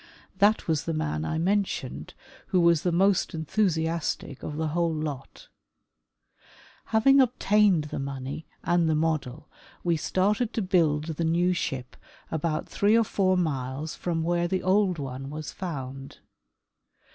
That was the man I mentioned, who was the most enthusiastic of the whole lot. Having obtained the money and the model, we started to build the new ship about three or four miles from where the old one was found.